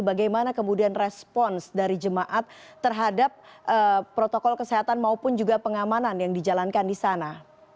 bagaimana kemudian respons dari jemaat terhadap protokol kesehatan maupun juga pengamanan yang dijalankan di sana